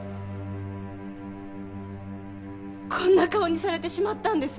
こんな顔にされてしまったんです。